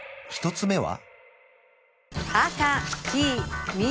１つ目は？